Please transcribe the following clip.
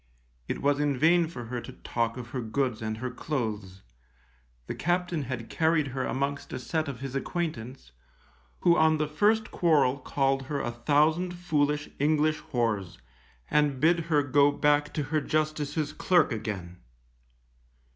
It was in vain for her to talk of her goods and her clothes; the captain had carried her amongst a set of his acquaintance, who on the first quarrel called her a thousand foolish English whores, and bid her go back to her Justice's clerk again.